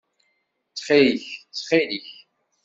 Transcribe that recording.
Ttxil-k! Ttxil-k!